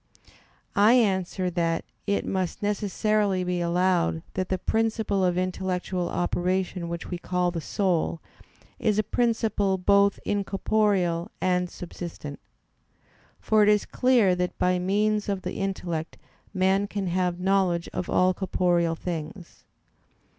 I answer that, It must necessarily be allowed that the principle of intellectual operation which we call the soul, is a principle both incorporeal and subsistent. For it is clear that by means of the intellect man can have knowledge of all corporeal things.